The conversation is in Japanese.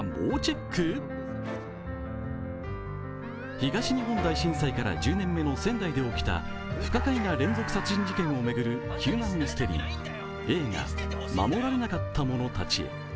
東日本大震災から１０年目の仙台で起きた不可解な連続殺人事件を巡るヒューマンミステリー、映画「護られなかった者たちへ」。